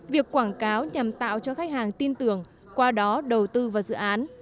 việc quảng cáo nhằm tạo cho khách hàng tin tưởng qua đó đầu tư vào dự án